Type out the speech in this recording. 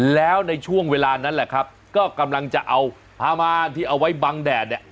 แล้วในช่วงเวลานั้นแหละครับก็กำลังจะเอาพามานที่เอาไว้บังแดดเนี่ย